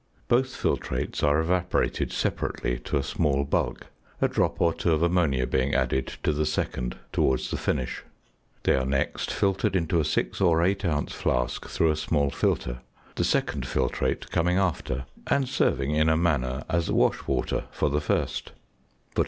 Both filtrates are evaporated separately to a small bulk, a drop or two of ammonia being added to the second towards the finish. They are next filtered into a 6 or 8 ounce flask through a small filter, the second filtrate coming after, and serving in a manner as wash water for the first.